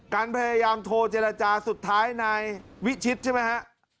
การพยายามโทรเจรจาสุดท้ายนายวิชิตใช่ไหมฮะ